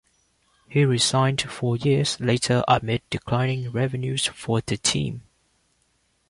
He resigned four years later amid declining revenues for the team.